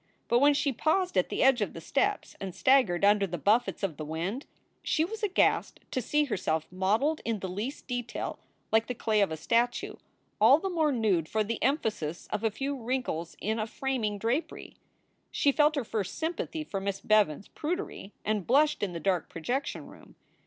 But when she paused at the edge of the steps and staggered under the buffets of the wind, she was aghast to see herself modeled in the least detail like the clay of a statue, all the more nude for the emphasis of a few wrinkles in a framing drapery. She felt her first sympathy for Miss Bevans s prudery and blushed in the dark projection room.